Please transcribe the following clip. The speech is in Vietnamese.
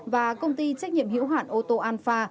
và công ty trách nhiệm hiểu hạn ô tô an pha